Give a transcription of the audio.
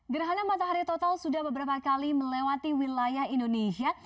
gerhana matahari total sudah beberapa kali melewati wilayah indonesia